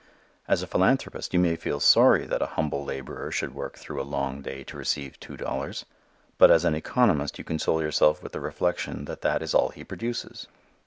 As a philanthropist, you may feel sorry that a humble laborer should work through a long day to receive two dollars, but as an economist you console yourself with the reflection that that is all he produces.